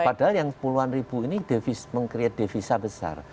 padahal yang puluhan ribu ini meng create devisa besar